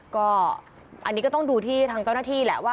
ก็อันนี้ก็ต้องดูที่ทางเจ้าหน้าที่แหละว่า